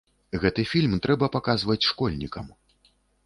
Гэты фільм трэба паказваць школьнікам.